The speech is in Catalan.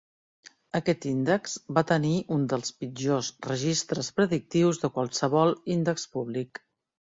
Aquest índex va tenir un dels pitjors registres predictius de qualsevol índex públic.